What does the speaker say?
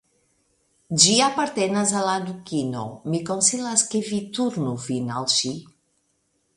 Ĝi apartenas al la Dukino; mi konsilas ke vi turnu vin al ŝi.